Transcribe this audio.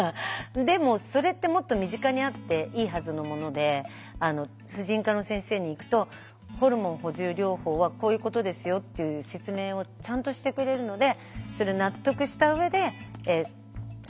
でもそれってもっと身近にあっていいはずのもので婦人科の先生に行くとホルモン補充療法はこういうことですよっていう説明をちゃんとしてくれるのでそれ納得した上でしたほうがいいなって私は思ってる。